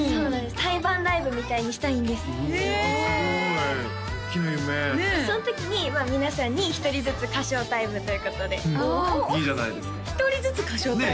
対バンライブみたいにしたいんですへえすごいおっきな夢その時には皆さんに１人ずつ歌唱タイムということでおうんいいじゃないですか１人ずつ歌唱タイム？